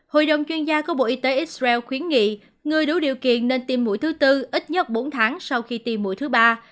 hội đồng chuyên gia của bộ y tế israel khuyến nghị người đủ điều kiện nên tiêm mũi thứ tư ít nhất bốn tháng sau khi tiêm mũi thứ ba